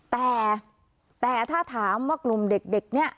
แต่ถ้าถามว่ากลุ่มเด็กเนี่ย